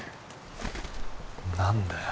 何だよ